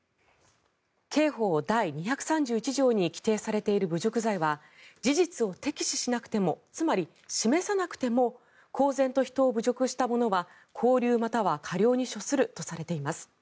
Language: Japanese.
刑法第２３１条に規定されている侮辱罪は事実を摘示しなくてもつまり、示さなくても公然と人を侮辱した者は拘留または科料に処するとしています。